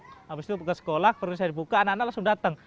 habis itu ke sekolah perlu saya buka anak anak langsung datang